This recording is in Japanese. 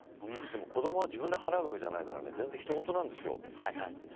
子どもは自分で払うわけじゃないから全然、ひとごとなんですよ。